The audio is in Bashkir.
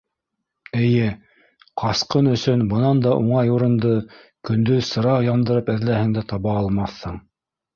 Эйе, ҡасҡын өсөн бынан да уңай урынды көндөҙ сыра яндырып эҙләһәң дә таба алмаҫһың.